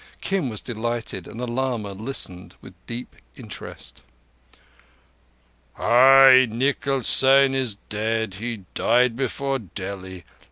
Kim was delighted, and the lama listened with deep interest. "_Ahi! Nikal Seyn is dead—he died before Delhi!